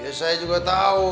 ya saya juga tahu